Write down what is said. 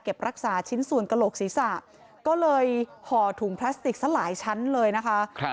รักษาชิ้นส่วนกระโหลกศีรษะก็เลยห่อถุงพลาสติกซะหลายชั้นเลยนะคะ